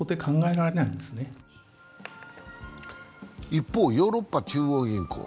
一方、ヨーロッパ中央銀行。